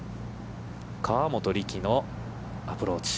河本力のアプローチ。